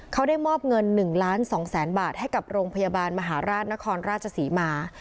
เขาได้มอบเงิน๑ล้าน๒แสนบาทให้กับโรงพยาบาลมหาราชนครราชศรีมา